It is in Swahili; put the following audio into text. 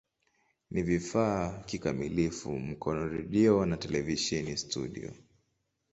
Ni vifaa kikamilifu Mkono redio na televisheni studio.